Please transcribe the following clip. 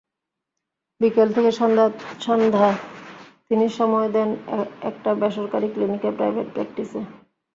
বিকেল থেকে সন্ধ্যা তিনি সময় দেন একটা বেসরকারি ক্লিনিকে, প্রাইভেট প্র্যাকটিসে।